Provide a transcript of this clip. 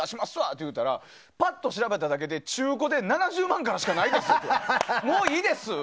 って言ったらパッと調べただけで中古で７０万からしかないですって言われてもういいです。